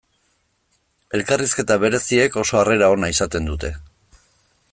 Elkarrizketa bereziek oso harrera ona izaten dute.